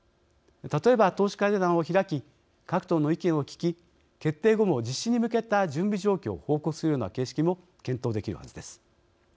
例えば、党首会談を開き各党の意見を聴き決定後も実施に向けた準備状況を報告するような形式も検討できるはずです。